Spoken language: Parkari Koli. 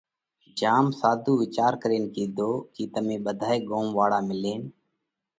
جيا ۾ ساڌُو ويچار ڪرين ڪيڌو ڪي تمي ٻڌائي ڳوم واۯا ملينَ